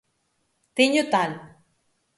Teño tal